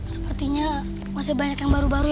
sepertinya masih banyak yang baru baru